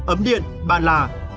ấm điện bàn là